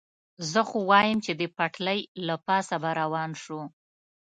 زه خو وایم، چې د پټلۍ له پاسه به روان شو.